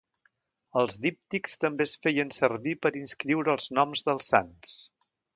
Els díptics també es feien servir per inscriure els noms dels sants.